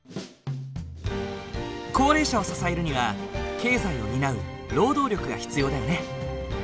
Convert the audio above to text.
高齢者を支えるには経済を担う労働力が必要だよね。